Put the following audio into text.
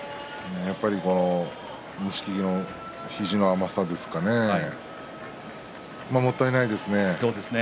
錦木の肘の甘さですかねもったいないですね。